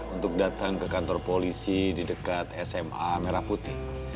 untuk datang ke kantor polisi di dekat sma merah putih